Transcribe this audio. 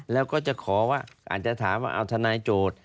แล้วก็จะขอว่าอาจจะถามว่าเอาทนายโจทย์